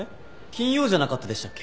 金曜じゃなかったでしたっけ？